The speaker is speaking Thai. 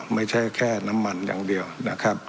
ไม่ใช่แค่น้ำมันอย่างเดียวนะครับ